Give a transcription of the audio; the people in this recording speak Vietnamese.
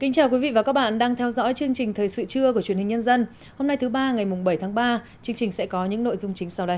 chương trình thời sự trưa của truyền hình nhân dân